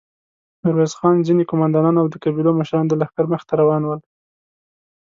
ميرويس خان، ځينې قوماندانان او د قبيلو مشران د لښکر مخې ته روان ول.